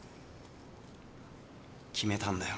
決めたんだよ